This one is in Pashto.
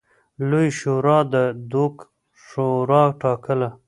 لویې شورا د دوک شورا ټاکله.